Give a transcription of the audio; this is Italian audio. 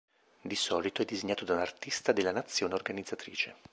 Di solito è disegnato da un artista della nazione organizzatrice.